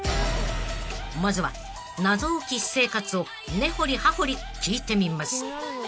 ［まずは謎多き私生活を根掘り葉掘り聞いてみます］